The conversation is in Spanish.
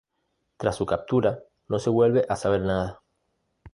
Tras su captura no se vuelve a saber nada.